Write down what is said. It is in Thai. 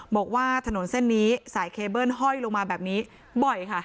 บอกว่าถนนเส้นนี้สายเคเบิ้ลห้อยลงมาแบบนี้บ่อยค่ะ